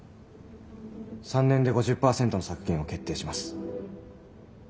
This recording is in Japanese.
３年で５０％の削減を決定します。